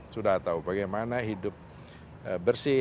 sudah tahu bagaimana hidup bersih